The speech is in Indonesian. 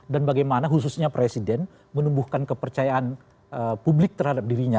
dan bagaimana khususnya presiden menumbuhkan kepercayaan publik terhadap dirinya